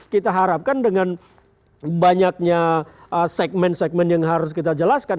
kita harapkan dengan banyaknya segmen segmen yang harus kita jelaskan